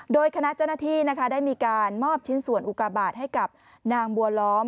โดยคณะเจ้าหน้าที่ได้มีการมอบชิ้นส่วนอุกาบาทให้กับนางบัวล้อม